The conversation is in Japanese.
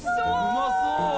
うまそう。